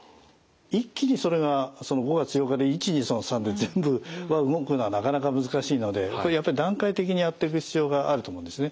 一気にそれが５月８日で１２の３で全部動くのはなかなか難しいので段階的にやっていく必要があると思うんですね。